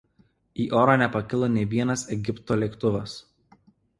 Į orą nepakilo nė vienas Egipto lėktuvas.